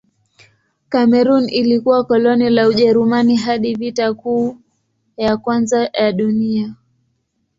Kamerun ilikuwa koloni la Ujerumani hadi Vita Kuu ya Kwanza ya Dunia.